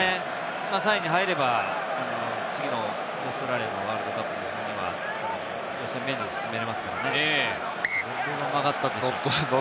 ３位に入れば、次のオーストラリアのワールドカップには予選免除で進めますからね。